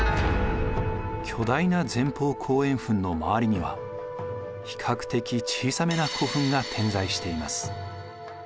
巨大な前方後円墳の周りには比較的小さめな古墳が点在しています。